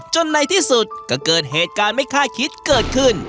ในที่สุดก็เกิดเหตุการณ์ไม่คาดคิดเกิดขึ้น